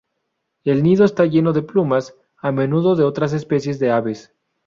El nido está lleno de plumas, a menudo de otras especies de aves.